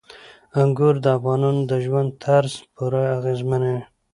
انګور د افغانانو د ژوند طرز پوره اغېزمنوي.